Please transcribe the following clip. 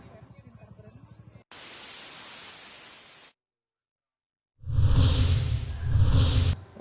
kebupatan berau para warga masih menempati rumah mereka atau mengungsi ke rumah tetangga ataupun keluarga mereka